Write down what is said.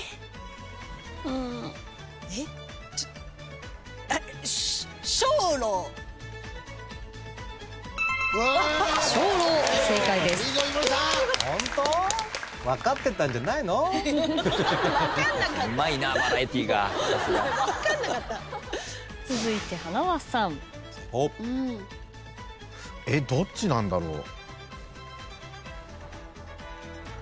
えっどっちだろう？